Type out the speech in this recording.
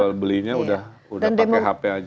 jual belinya udah pakai hp aja